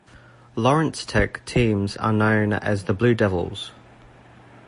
Lawrence Tech teams are known as the Blue Devils.